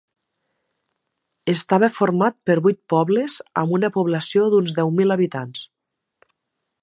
Estava format per vuit pobles amb una població d'uns deu mil habitants.